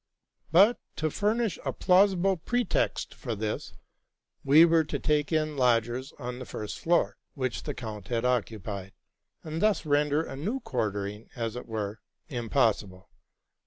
But, to furnish a plausible pretext for this, we were to take in lodgers on the first floor, which the count had occupied, and thus render a new quartering, as it were, impossible.